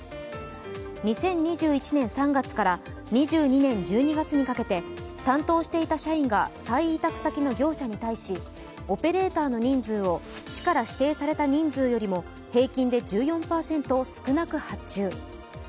２０２１年３月から２２年１２月にかけて担当していた社員が再委託先の業者に対しオペレーターの人数を市から指定された人数よりも平均で１４％少なく発注。